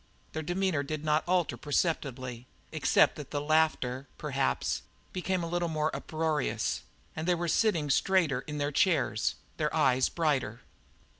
Their demeanour did not alter perceptibly, except that the laughter, perhaps, became a little more uproarious, and they were sitting straighter in their chairs, their eyes brighter.